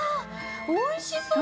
おいしそう！